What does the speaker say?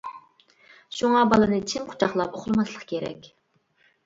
شۇڭا بالىنى چىڭ قۇچاقلاپ ئۇخلىماسلىق كېرەك.